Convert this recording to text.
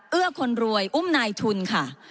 เอื้อคนรวยอุ้มนายทุนค่ะ